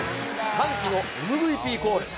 歓喜のＭＶＰコール。